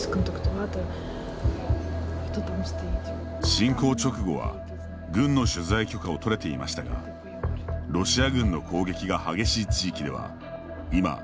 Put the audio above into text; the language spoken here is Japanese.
侵攻直後は軍の取材許可をとれていましたがロシア軍の攻撃が激しい地域では今ほとんど下りなくなりました。